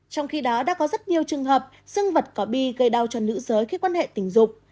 trong khi đó đã có rất nhiều trường hợp dương vật có bi gây đau cho nữ giới khi quan hệ tình dục